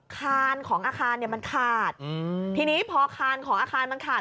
คานของอาคารเนี่ยมันขาดอืมทีนี้พอคานของอาคารมันขาด